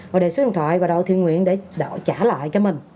rồi đề số điện thoại và đậu thiên nguyện để trả lại cho mình